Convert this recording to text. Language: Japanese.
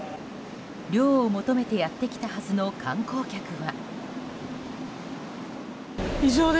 涼を求めてやってきたはずの観光客は。